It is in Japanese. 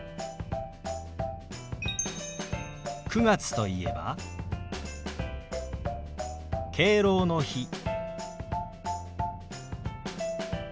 ９月といえば「敬老の日」。